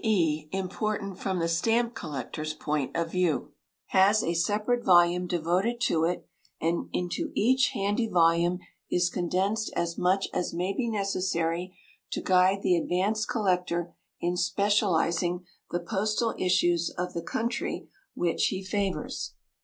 e._ important from the stamp collector's point of view, has a separate volume devoted to it, and into each handy volume is condensed as much as may be necessary to guide the advanced collector in specialising the postal issues of the country which he favours.